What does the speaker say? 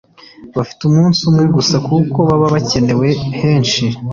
bafite umunsi umwe gusa kuko baba bakenewe henshi